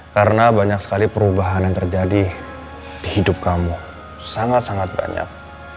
karena banyak sekali perubahan yang terjadi di hidup kamu sangat sangat banyak